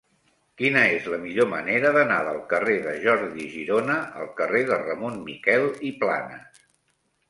Quina és la millor manera d'anar del carrer de Jordi Girona al carrer de Ramon Miquel i Planas?